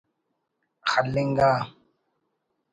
خلنگا